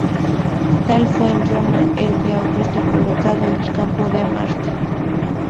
Tal fue en Roma el de Augusto colocado en el campo de Marte.